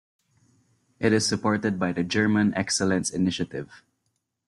It is supported by the German Excellence Initiative.